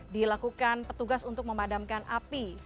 dilakukan petugas untuk memadamkan api